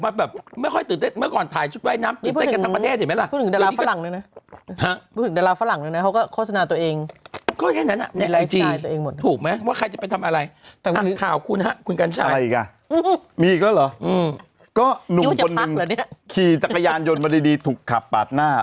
นุมคนนึงขี่จักรยานยนต์มาดีถูกขับปากหน้า